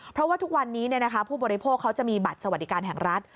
เพราะว่าทุกวันนี้ผู้บริโภคเขาจะมีบัตรสวัสดิการแห่งรัฐ